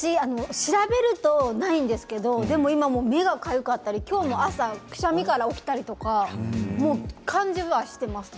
調べるとないんですけど今、目がかゆかったり今日も朝くしゃみから起きたりとか感知はしています。